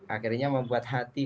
akhirnya membuat hati